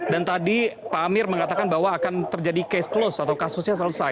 dan tadi pak amir mengatakan bahwa akan terjadi case close atau close